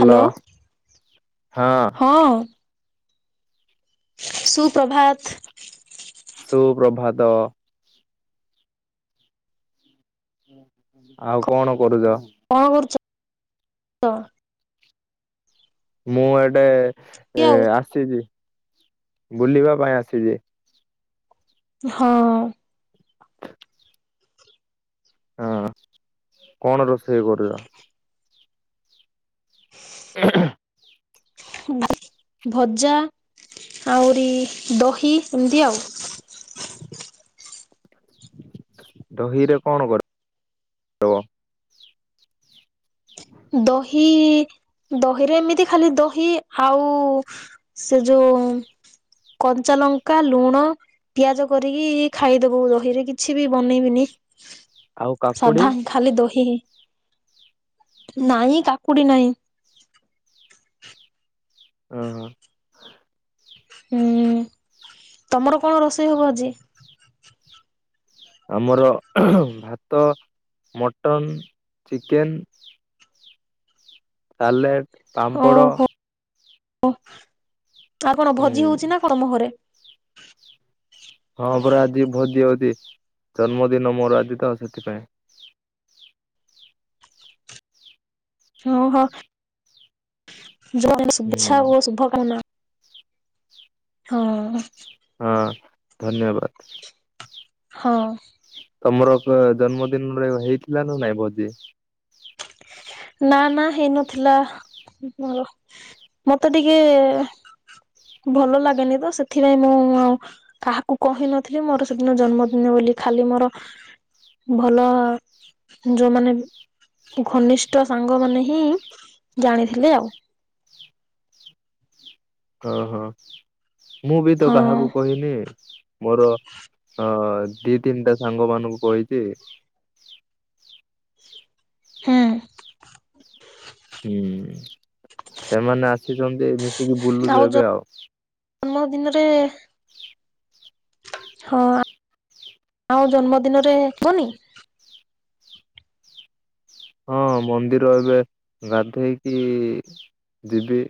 Hello ହଁ ହଁ ସୁପ୍ରଭାତ ସୁପ୍ରଭାତ ଆଉ କଣ କରୁଛ? କଣ କରୁଛ? ମୁଁ ଏଠେ କି ଆଉ ଆସିଛି ବୁଲିବା ପାଇଁ ଆସିଛି ହଁ ହଁ କଣ ରୋଷେଇ କରିବା? ହେଁ ହେଁ ଭଜା ଆହୁରି ଦହି ଏମିତି ଆଉ ଦହି ରେ କଣ କର? ଦହି ଦହିରେ ଏମିତି ଖାଲି ଦହି ଆଉ ସେ ଯୋଉ କଞ୍ଚା ଲଙ୍କା ଲୁଣ ପିଆଜ କରିକି ଖାଇଦବୁ ଦହିରେ କିଛି ବି ବନେଇବିନି ଆଉ କାକୁଡି ସାଧା ଖାଲି ଦହି ହିଁ ନାଇଁ କାକୁଡି ନାହିଁ। ଓ ହୋ ହୁଁ ତମର କଣ ରୋଷେଇ ହବ ଆଜି? ଆମର ଭାତ ମଟନ୍ ଚିକେନ୍ ସାଲାଟ ଓହୋ ଆଉ କଣ ହୁଁ ଭୋଜି ହୋଉଚି ନା କଣ ତମ ଘରେ? ହଁ ପୁରା ଆଜି ଭୋଜି ହୋଉଚି ଜନ୍ମଦିନ ମୋର ଆଜି ତ ସେଥିପାଇଁ। ଓହୋ। ଜନ୍ମଦିନ ଶୁଭଚ୍ଛା ହୁଁ ଶୁଭକାମନା। ହଁ। ହଁ ଧନ୍ୟବାଦ। ହଁ। ତମର ଜନ୍ମଦିନରେ ହେଇଥିଲା ନା ନାଇଁ ଭୋଜି? ନା ନା ହେଇନଥିଲା ମୋର। ମତେ ଟିକେ ଭଲ ଲାଗେନି ତ ସେଥିପାଇଁ ମୁଁ କାହାକୁ କହିନଥିଲି ମୋର ସେଦିନ ଜନ୍ମଦିନ ବୋଲି ଖାଲି ମୋର ଭଲ ଯୋଉ ମାନେ ବି ଘନିଷ୍ଠ ସାଙ୍ଗ ମାନେ ହିଁ ଜାଣିଥିଲେ ଆଉ। ହଁ ହଁ ମୁଁ ବି ତ ହଁ କାହାକୁ କହିନି। ମୋର ଅ ଦି ତିନିଟା ସାଙ୍ଗ ମାନଙ୍କୁ କହିଚି। ହୁଁ। ହୁଁ ସେମାନେ ଆସିଛନ୍ତି ମିଶିକି ବୁଲୁଛୁ ଆଉ ଏବେ ଆଉ। ଜନ୍ମଦିନରେ ହଁ ଆଉ ଜନ୍ମଦିନରେ କୁହନି। ହଁ ମନ୍ଦିର ଏବେ ଗାଧେଇକି ଯିବି।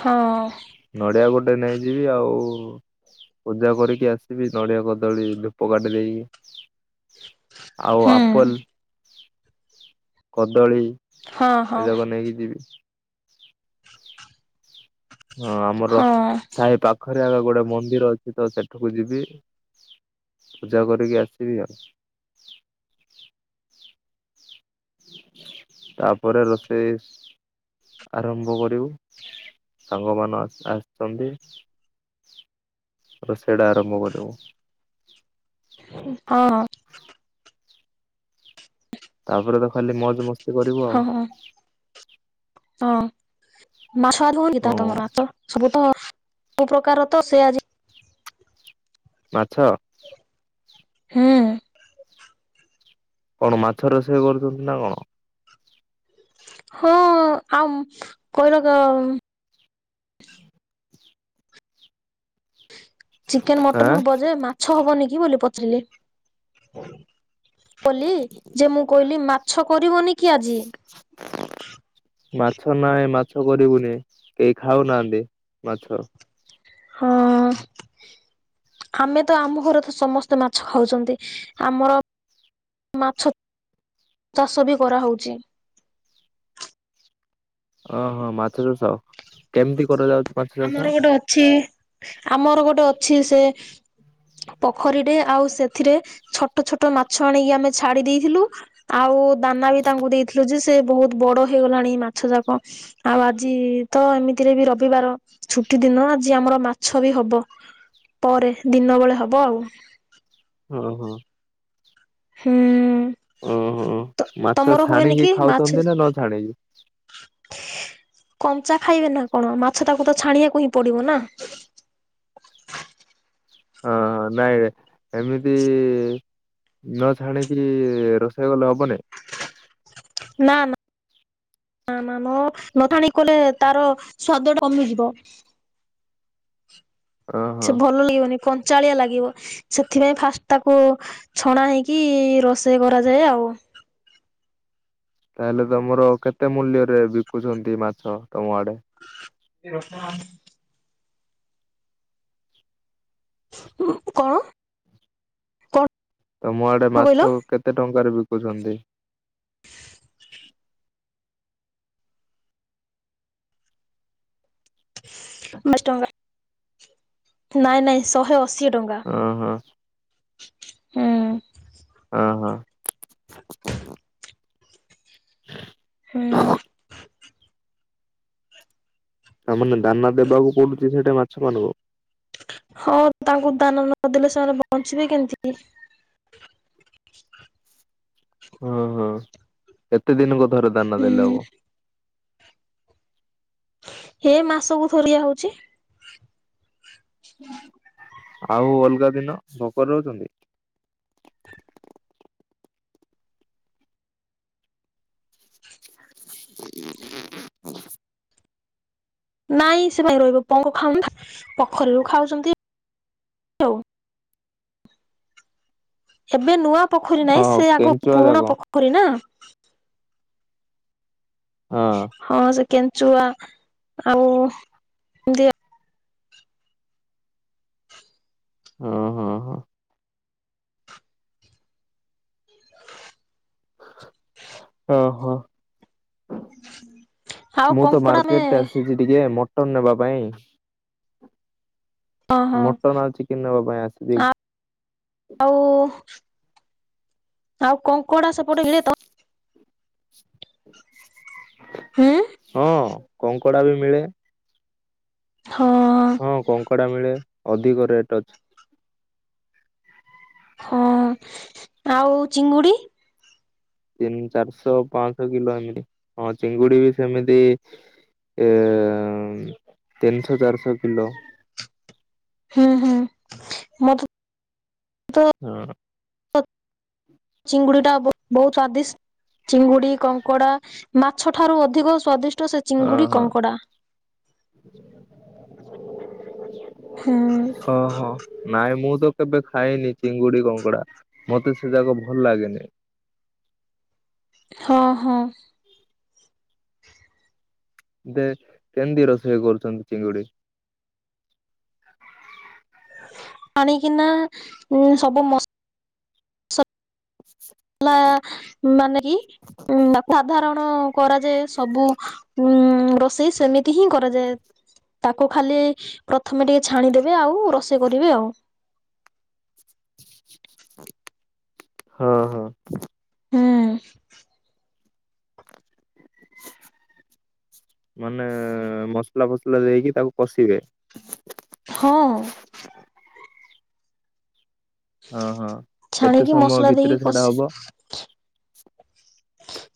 ହଁ। ନଡିଆ ଗୋଟେ ନେଇଯିବି ଆଉ ପୂଜା କରିକି ଆସିବି ନଡ଼ିଆ କଦଳୀ ଧୂପ କାଟି ଦେଇ ଆଉ ହୁଁ ଆପଲ୍ କଦଳୀ ହଁ ହଁ ଏଇରାକ ନେଇକି ଯିବି। ହଁ ଆମର ହଁ ସାହି ପା ପାଖରେ ଆଗ ଗୋଟେ ମନ୍ଦିର ଅଛି ତ ସେଠାକୁ ଯିବି ପୂଜା କରିକି ଆସିବି ଆଉ। ତାପରେ ରୋଷେଇ ଆରମ୍ଭ କରିବୁ ସାଙ୍ଗ ମାନ ଆସିଚନ୍ତି। ରୋଷେଇ ଟା ଆରମ୍ଭ କରିବୁ। ହଁ। ତାପରେ ତ ଖାଲି ମଜ୍‌ ମ ହଁ ହଁ ମାଛ ଭାତ ହୁଏ କି ହଁ ତମର ମାଚ? ସବୁ ତ ସବୁ ପ୍ରକାର ତ ସେ ଆଜି ମାଛ? ହୁଁ। କଣ ମାଛ ରୋଷେଇ କରୁଛନ୍ତି ନା କଣ? ହଁ ଆମ୍ କର କମ୍ ଚିକେନ୍‌ ମଟନ ଆଁ ହବ ଯେ ମାଛ ହବନି କି ବୋଲି ପଚାରିଲି। କଲି ଯେ ମୁଁ କହିଲି ମାଛ କରିବନି କି ଆଜି? ମାଛ ନାଇଁ ମାଛ କରିବୁନି କେହି ଖାଉନାହାନ୍ତି ମାଛ। ହଁ। ଆମେ ତ ଆମ ଘରେ ତ ସମସ୍ତେ ମାଛ ଖାଉଛନ୍ତି ଆମର ମାଛ ଚାଷ ବି କରାହୋଉଛି। ଓହଁ ମାଛ ଚାଷ କେମିତି କରାଯାଉ ଆମର ଗୋଟେ ଅଛି ଆମର ଗୋଟେ ଅଛି ସେ ପୋଖରୀ ରେ ଆଉ ସେଥିରେ ଛୋଟ ଛୋଟ ମାଛ ଆଣିକି ଆମେ ଛାଡି ଦେଇଥିଲୁ। ଆଉ ଦାନା ବି ତାଙ୍କୁ ଦେଇଥିଲୁ ଯେ ସେ ସେ ବହୁତ ବଡ ହେଇଗଲାଣି ମାଛଯାକ ଆଉ ଆଜି ତ ଏମିତିରେ ବି ରବିବାର ଛୁଟି ଦିନ ଆଜି ଆମର ମାଛ ବି ହବ ପରେ ଦିନ ବେଳେ ହବ ଆଉ। [inaudible] [inaudible] ତ ମାଛ ତମର ହୁଏନି ଛାଣିକି କି ମାଛ? ଖାଉଚନ୍ତି ନା ନ ଛାଣିକି? କଞ୍ଚା ଖାଇବେ ନା କ'ଣ, ମାଛ କୁ ତ ଛାଣିବାକୁ ହିଁ ପଡ଼ିବ ନା? [inaudible] ନ ଛାଣିକି ରୋଷେଇ କଲେ ହବ ଇ। [inaudible] ନଥାଣି କଲେ ତା'ର ସ୍ଵାଦ କମିଯିବ। ଓହୋ। ସେ ଭଲ ବନି କଞ୍ଚାଳିଆ ଲାଗିବ। ସେଥିପାଇଁ ଫାଷ୍ଟ୍ ତାକୁ ଛଣା ହେଇକି, ରୋଷେଇ କରାଯାଏ ଆଉ। ତା'ହେଲେ ତମର କେତେ ମୂଲ୍ୟରେ ବିକୁଛନ୍ତି ମାଛ ତମ ଆଡ଼େ? ଏ ର [inaudible] କଣ ତମ ଆଡ଼େ କଣ କହିଲ ମାଛ କେତେ ଟଙ୍କାରେ ବିକୁଚନ୍ତି? [inaudible] ନାଇଁ ନାଇଁ ଶହେ ଅଶୀ ଟଙ୍କା। [inaudible] ହୁଁ [inaudible] ହୁଁ। ତା'ମାନେ ଦାନା ଦେବାକୁ ପଡୁଚି, ସେଠେ ମାଛ ମାନଙ୍କୁ। ହଁ, ତାଙ୍କୁ ଦାନା ନଦେଲେ ସେମାନେ ବଞ୍ଚିବେ କେ--ତି? କେତେ ଦିନକୁ ଥରେ ଦାନା ଦେଲେ ହୁଁ ହବ? ହେ ମାସକୁ ଥରେ ହଉଚି। ହୁଁ ଆଉ ଅଲ୍‌ଗା ଦିନ ଭୋକରେ ରହୁଚନ୍ତି। ନାଇଁ ସେ ପୋଖରୀ ରୁ ଖାଉଚନ୍ତି। ଏବେ ନୂଆ ପୋଖରୀ ନାଇଁ, ହଁ ସେ ଆଗ କେଞ୍ଚୁଆ ଯାକ ପୁରୁଣା ପୋଖରୀ ନା? ହଁ ହଁ, ସେ କେଞ୍ଚୁଆ ଆଉ [inaudible] ଆଉ ମୁଁ ତ କଙ୍କଡା ଆମେ ମାର୍କେଟ୍ ଆସି ଟିକେ ମଟନ୍‌ ନେବା ପାଇଁ। ହଁ ହଁ ମଟନ୍‌ ଚିକେନ୍‌ ନେବା ପାଇଁ ଆସି ଆଉ ଆଉ କଙ୍କଡ଼ା ସେପଟ ମିଳେ [inaudible] ହଁ, କଙ୍କଡ଼ା ବି ମିଳେ। [inaudible] ହଁ, କଙ୍କଡ଼ା ମିଳେ ଅଧିକ ରେଟ୍ ଅଛି। ହଁ, ଆଉ ଚିଙ୍ଗୁଡ଼ି? [inaudible] ତିନ୍‌ଶ ଚାର୍ଶ କିଲୋ। [inaudible] ମତେ ତ ହୁଁ [inaudible] ଚିଙ୍ଗୁଡ଼ି, କଙ୍କଡା, ମାଛ ଠାରୁ ଅଧିକ ସ୍ଵାଦିଷ୍ଟ ସେ ଚିଙ୍ଗୁଡ଼ି, ଓହୋ କଙ୍କଡ଼ା। ଓହୋ। [inaudible] ନାଇଁ ମୁଁ ତ କେବେ ଖାଇନି, ଚିଙ୍ଗୁଡି କଙ୍କଡା ମତେ ସେ ଯାକ ଭଲ ଲାଗେନି। ହଁ, ହଁ। ଦେ କେମିତି ରୋଷେଇ କରୁଛନ୍ତି ଚିଙ୍ଗୁଡି ଆଣିକିନା ସବୁ ମସ ଲା ମାନେ କି ସାଧାରଣ କରାଯାଏ ସବୁ। ଉଁ ରୋଷେଇ ସେମିତି ହିଁ କରାଯାଏ। ତାକୁ ଖାଲି ପ୍ରଥମେ ଟିକେ ଛାଣିଦେବେ ଆଉ ରୋଷେଇ କରିବେ ଆଉ। ହଁ, ହଁ। ହୁଁ। ମାନେ ମସଲା, ଫସଲା ଦେଇକି ତାକୁ ପଷିବେ। ହଁ। ହଁ, ହଁ କେତେ ଛାଣିକି ସମୟ ମସଲା ଭିତରେ ଦେଇକି ସେଟା କଷି ହବ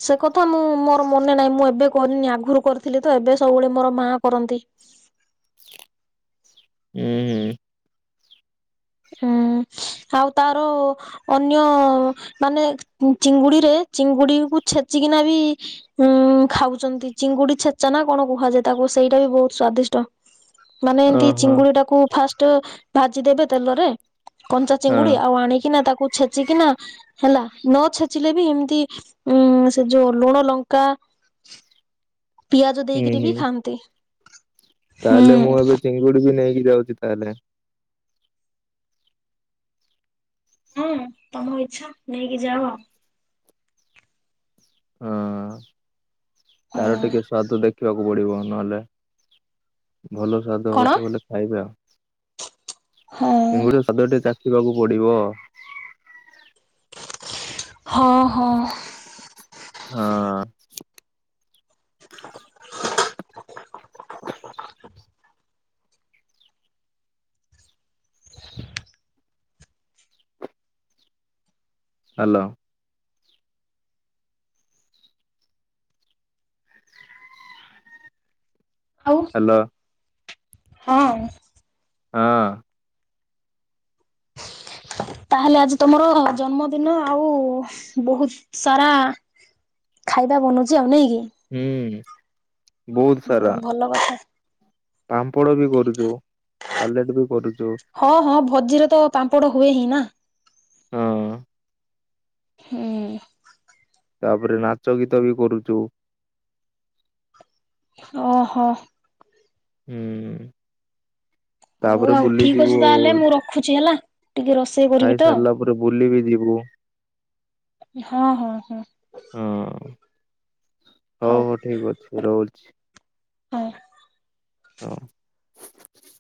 ସେ କଥା ମୁଁ ମୋର ମନେ ନାହିଁ, ମୁଁ ଏବେ କରିନି ଆଗରୁ କରିଥିଲି ତ, ଏବେ ସବୁବେଳେ ମୋର ମା କରନ୍ତି। ହୁଁ, ହୁଁ। ହୁଁ ଆଉ ତାର ଅନ୍ୟ ମାନେ ଚିଙ୍ଗୁଡିରେ ଚିଙ୍ଗୁଡିକୁୁ ଛେଚିକିନା ବି ଉଁ ଖାଉଛନ୍ତି, ଚିଙ୍ଗୁଡି ଛେଚା ନା କଣ କୁହାଯାଏ ତାକୁ, ସେଇଟା ବି ବହୁତ ସ୍ଵାଦିଷ୍ଟ। ମାନେ ଏମିତି ଓହୋ ଚିଙ୍ଗୁଡି ଟାକୁ ଫାଷ୍ଟ ଭାଜି ଦେେବେ ତେଲରେ କଞ୍ଚା ହଁ ଚିଙ୍ଗୁଡି ଆଉ ଆଣିକିନା, ତାକୁ ଛେଚିକିନା ହେଲା, ନ ଛେଚିଲେ ବି ଏମିତି ଉଁ ସେ ଯୋଉ ଲୁଣ ଲଙ୍କା ପିଆଜ ହୁଁ ଦେଇକିରି ବି ହୁଁ। ଖାଆନ୍ତି। ତାହେଲେ ହୁଁ ମୁଁ ଏବେ ଚିଙ୍ଗୁଡି ବି ନେଇକି ଯାଉଛି ତାହେଲେ [unintelligible] ତମ ଇଚ୍ଛା ନେଇକି ଯାଅ। ହଁ ତାର ହଁ ଟିକେ ସ୍ୱାଦ ଦେଖିବାକୁ ପଡିବ। ନହେଲେ ଭଲ ସ୍ଵାଦ କଣ? ହଉଥ ବଲେ ଖାଇବେ ଆଉ ହଁ ଚିଙ୍ଗୁଡ଼ି ର ସ୍ୱାଦ ଟିକେ ଚାଖିବାକୁ ପଡିବ। ହଁ ହଁ। ହଁ। [inaudible] [inaudible] ହଲୋ [unintelligible] ହ୍ୟାଲୋ ହଁ ହଁ ତାହେଲେ ଆଜି ତମର ଜନ୍ମଦିନ। ଆଉ ବହୁତ ସାରା ଖାଇବା ବନଉଛି, ଆଉ ନାଇଁ କି? ହୁଁ। ହଁ ଭଲ କଥା। ପାମ୍ପଡ଼ ବି କରୁଛୁ, ସାଲେଡ ବି କରୁଛୁ। ହଁ ହଁ ଭୋଜିରେ ତ ପାମ୍ପଡ଼ ହୁଏ ହିଁ ନା। ହଁ [inaudible] ତାପରେ ନାଚ ଗୀତ ବି କରୁଛୁ। ଓହୋ ହୁଁ ହଉ ତାପରେ ଆଉ ଠିକ ଅଛି ବୁଲିଯିବୁ ତାହେଲେ, ମୁଁ ରଖୁଛି, ହେଲା ଟିକେ ର ସେ କରିବି ଖାଇ ତ ସାରିଲା ପରେ ବୁଲି ବିି ଯିବୁ [unintelligible] ହଁ ହଁ ହଁ ହଁ ହଉ ହଉ ଠିକ ଅଛି। ସେ ରହୁଛି ହଁ। ହଁ।